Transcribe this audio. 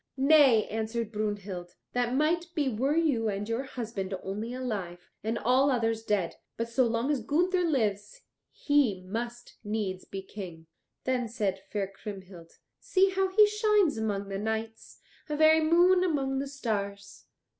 "Nay," answered Brunhild, "that might be were you and your husband only alive, and all others dead, but so long as Gunther lives he must needs be King." Then said fair Kriemhild, "See how he shines among the knights, a very moon among the stars."